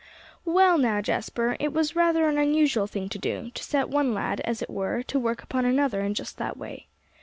"Well, now, Jasper, it was rather an unusual thing to do, to set one lad, as it were, to work upon another in just that way.